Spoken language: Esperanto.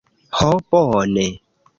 Ho bone...